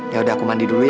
ya udah aku mandi dulu ya